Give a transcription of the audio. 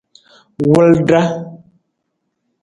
Wulda.